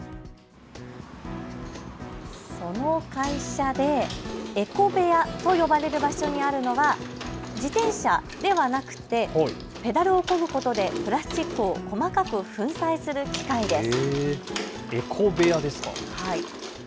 この会社でエコ部屋と呼ばれる場所にあるのは自転車ではなくてペダルをこぐことでプラスチックを細かく粉砕する機械です。